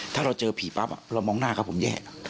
ถ้าเราเจอผีปั๊บเรามองหน้าครับผมแย่